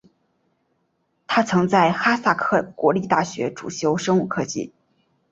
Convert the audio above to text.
他曾在哈萨克国立大学主修生物技术。